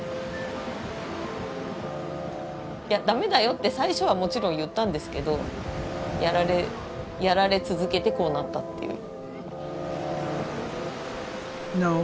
いや「駄目だよ」って最初はもちろん言ったんですけどやられ続けてこうなったっていう。